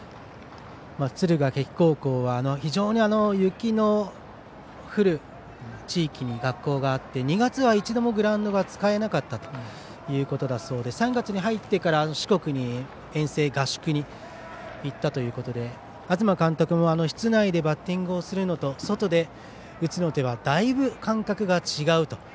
敦賀気比高校は非常に雪の降る地域に学校があって２月は一度もグラウンドが使えなかったということだそうで３月に入ってから四国に遠征合宿に行ったということで東監督も室内でバッティングをするのと外で打つのではだいぶ感覚が違うと。